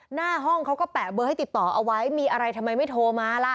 หน้าห้องเขาก็แปะเบอร์ให้ติดต่อเอาไว้มีอะไรทำไมไม่โทรมาล่ะ